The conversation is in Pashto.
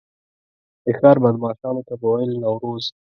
د ښار بدمعاشانو به ویل نوروز.